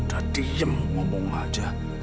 udah diem ngomong aja